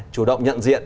chủ động nhận diện